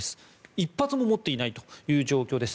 １発も持っていないという状況です。